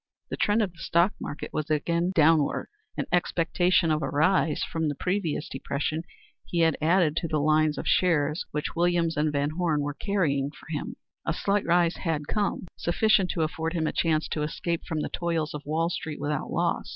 The trend of the stock market was again downward. In expectation of a rise from the previous depression, he had added to the line of shares which Williams & Van Horne were carrying for him. A slight rise had come, sufficient to afford him a chance to escape from the toils of Wall street without loss.